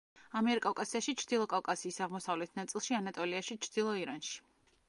ამიერკავკასიაში, ჩრდილო კავკასიის აღმოსავლეთ ნაწილში, ანატოლიაში, ჩრდილო ირანში.